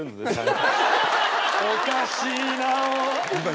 おかしいなあ。